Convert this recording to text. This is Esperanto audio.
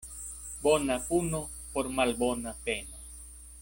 Bona puno por malbona peno.